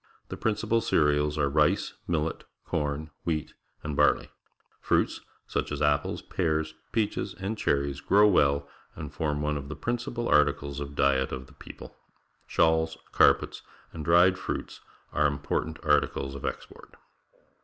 The principal cereals are rice, millet, corn, wheat, and barley. Fruits, such as apples, pears, peaches, and cherries, grow well and form one of the principal articles of diet of the people. Shawls, carpets, and dried fruits are important articles of export.